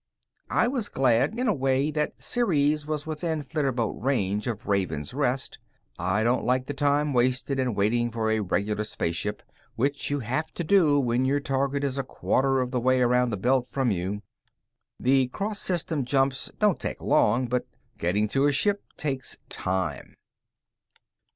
I was glad, in a way, that Ceres was within flitterboat range of Raven's Rest. I don't like the time wasted in waiting for a regular spaceship, which you have to do when your target is a quarter of the way around the Belt from you. The cross system jumps don't take long, but getting to a ship takes time.